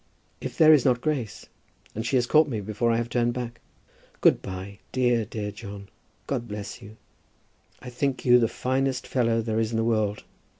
If there is not Grace, and she has caught me before I have turned back. Good by, dear, dear John. God bless you. I think you the finest fellow there is in the world.